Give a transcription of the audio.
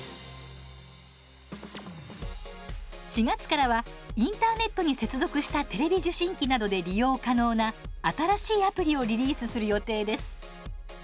４月からはインターネットに接続したテレビ受信機などで利用可能な新しいアプリをリリースする予定です。